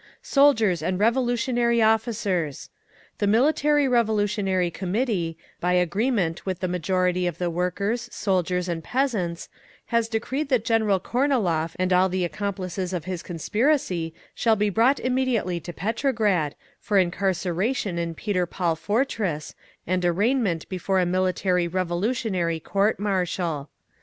"Soldiers and Revolutionary Officers! "The Military Revolutionary Committee, by agreement with the majority of the workers, soldiers, and peasants, has decreed that General Kornilov and all the accomplices of his conspiracy shall be brought immediately to Petrograd, for incarceration in Peter Paul Fortress and arraignment before a military revolutionary court martial….